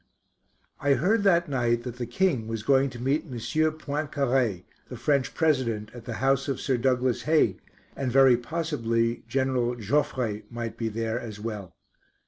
I heard that night that the King was going to meet M. Poincaré, the French President, at the house of Sir Douglas Haig, and very possibly General Joffre might be there, as well.